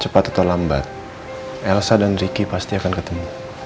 cepat atau lambat elsa dan ricky pasti akan ketemu